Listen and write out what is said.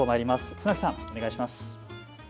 船木さん、お願いします。